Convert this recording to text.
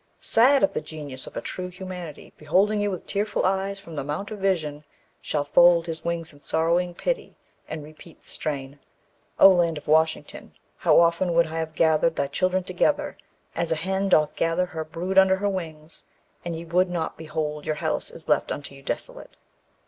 Sad if the genius of a true humanity, beholding you with tearful eyes from the mount of vision, shall fold his wings in sorrowing pity, and repeat the strain, 'O land of Washington, how often would I have gathered thy children together, as a hen doth gather her brood under her wings, and ye would not; behold your house is left unto you desolate.'